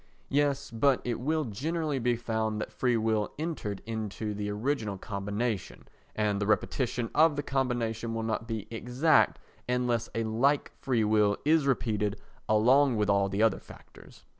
(Yes, but it will generally be found that free will entered into the original combination and the repetition of the combination will not be exact unless a like free will is repeated along with all the other factors.)